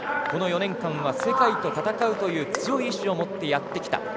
この４年間は世界と戦うという強い意志を持ってやってきた。